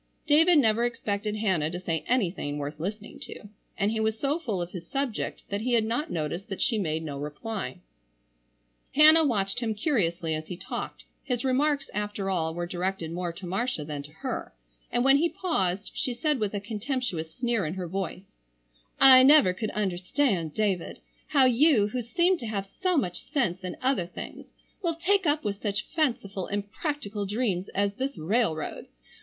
David never expected Hannah to say anything worth listening to, and he was so full of his subject that he had not noticed that she made no reply. Hannah watched him curiously as he talked, his remarks after all were directed more to Marcia than to her, and when he paused she said with a contemptuous sneer in her voice, "I never could understand, David, how you who seem to have so much sense in other things will take up with such fanciful, impractical dreams as this railroad.